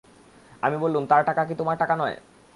আমি বললুম, তার টাকা কি তোমার টাকা নয়?